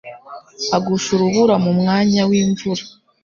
Agusha urubura mu mwanya w’imvura